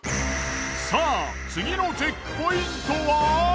さぁ次のチェックポイントは？